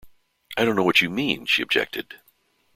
"I don't know what you mean" she objected.